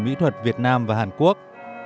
mỹ thuật việt nam và hàn quốc